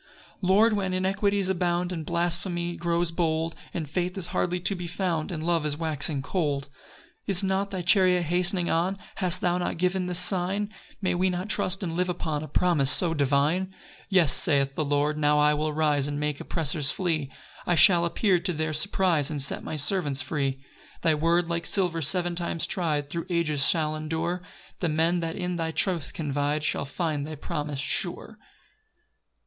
PAUSE. 5 Lord, when iniquities abound, And blasphemy grows bold, When faith is hardly to be found, And love is waxing cold, 6 Is not thy chariot hastening on? Hast thou not given this sign? May we not trust and live upon A promise so divine? 7 "Yes," saith the Lord, "now will I rise, "And make oppressors flee; "I shall appear to their surprise, "And set my servants free." 8 Thy word, like silver seven times try'd, Thro' ages shall endure; The men that in thy truth confide, Shall find thy promise sure.